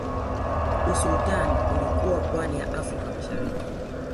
Usultani ulikuwa pwani ya afrika mashariki